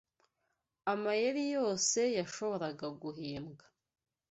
Amayeri yose yashoboraga guhimbwa